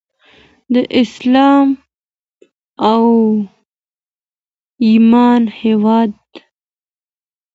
د اسلام او ایمان هیواد.